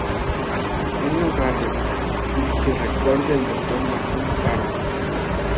Lino Garro y Vicerrector al Doctor Martínez Pardo.